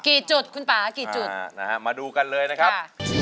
กี่จุดคุณป่ากี่จุดอ่านะฮะมาดูกันเลยนะครับ